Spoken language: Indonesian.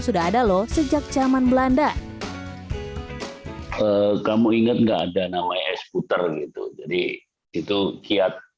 sudah ada loh sejak zaman belanda kamu ingat enggak ada namanya es puter gitu jadi itu kiat